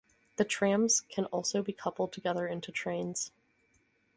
The trams can also be coupled together into trains.